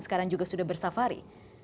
sekarang juga sudah bersafari